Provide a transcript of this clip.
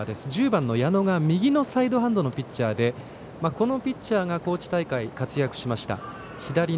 １０番の矢野が右のサイドハンドのピッチャーでこのピッチャーが高知大会は活躍しました。